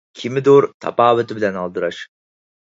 كىمدۇر «تاپاۋىتى» بىلەن ئالدىراش.